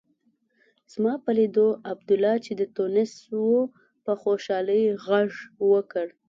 زما په لیدو عبدالله چې د تونس و په خوشالۍ غږ وکړ.